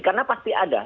karena pasti ada